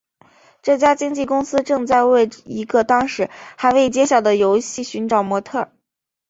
这家经纪公司正在为一个当时还未揭晓的游戏寻找模特儿。